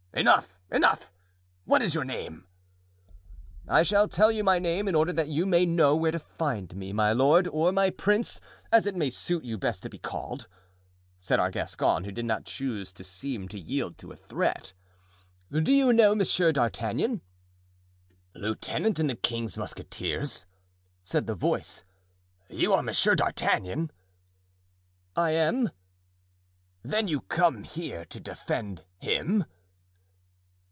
"Enough! enough! what is your name?" "I shall tell you my name in order that you may know where to find me, my lord, or my prince, as it may suit you best to be called," said our Gascon, who did not choose to seem to yield to a threat. "Do you know Monsieur d'Artagnan?" "Lieutenant in the king's musketeers?" said the voice; "you are Monsieur d'Artagnan?" "I am." "Then you came here to defend him?"